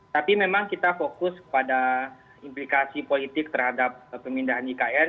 tapi memang kita fokus pada implikasi politik terhadap pemindahan di kn